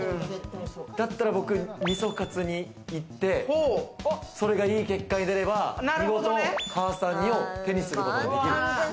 だったら僕、味噌かつ煮行って、それが良い結果が出ればかあさん煮を手にすることができる。